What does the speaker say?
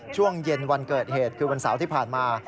ช่วงเย็นวันเกิดเหตุคือวันเสาร์ที่ผ่านมา